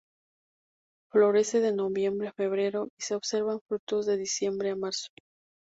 Florece de noviembre a febrero y se observan frutos de diciembre a marzo.